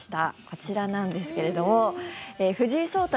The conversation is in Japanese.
こちらなんですけれども藤井聡太